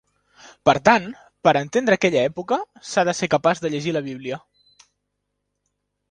Per tant, per entendre aquella època, s'ha de ser capaç de llegir la Bíblia.